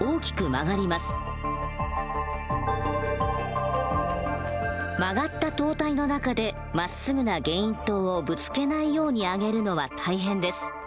曲がった塔体の中でまっすぐなゲイン塔をぶつけないように上げるのは大変です。